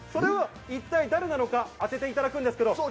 一体誰なのか当てていただくんですけれど。